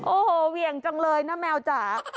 โอ้โหเหวี่ยงจังเลยนะแมวจ๋า